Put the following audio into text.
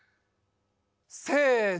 せの！